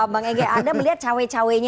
bang ege anda melihat cawe cawenya